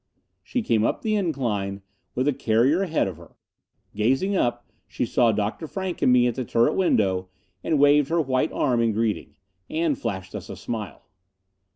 She came up the incline, with the carrier ahead of her. Gazing up, she saw Dr. Frank and me at the turret window and waved her white arm in greeting. And flashed us a smile.